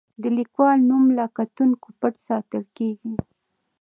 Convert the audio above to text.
د لیکوال نوم له کتونکو پټ ساتل کیږي.